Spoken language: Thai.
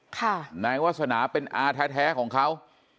นายวาสนาเป็นอาแท้ของเขา